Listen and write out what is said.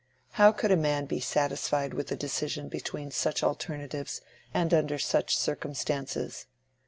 How could a man be satisfied with a decision between such alternatives and under such circumstances?